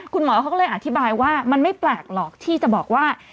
คุณหมอเขาก็เลยอธิบายว่ามันไม่แปลกหรอกที่จะบอกว่า